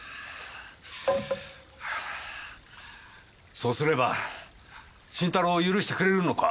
そうすれば新太郎を許してくれるのか？